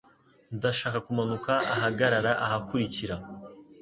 Ndashaka kumanuka ahagarara ahakurikira.